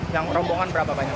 yang rombongan berapa banyak